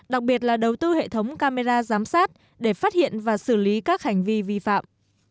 đặc biệt là đầu tư hệ thống camera giám sát để phát hiện và xử lý các hành vi vi phạm